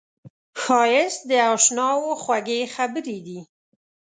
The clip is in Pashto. ښایست د اشناوو خوږې خبرې دي